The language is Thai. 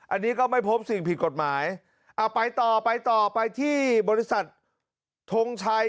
อันนี้ก็ไม่พบสิ่งผิดกฎหมายเอาไปต่อไปต่อไปที่บริษัททงชัย